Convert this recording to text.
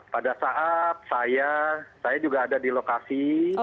pada saat saya saya juga ada di lokasi